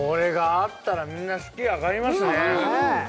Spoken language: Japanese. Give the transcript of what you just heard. これがあったら、みんな士気上がりますね。